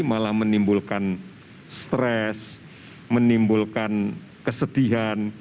malah menimbulkan stres menimbulkan kesedihan